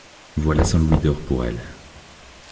Voilà cent louis d’or pour elle.